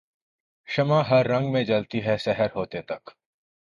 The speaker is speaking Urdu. شمع ہر رنگ میں جلتی ہے سحر ہوتے تک